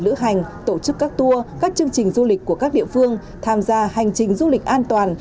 lữ hành tổ chức các tour các chương trình du lịch của các địa phương tham gia hành trình du lịch an toàn